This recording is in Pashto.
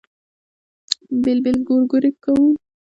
بېل بېل ګورګورې کوو.